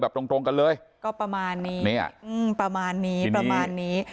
ตรงตรงกันเลยก็ประมาณนี้เนี่ยอืมประมาณนี้ประมาณนี้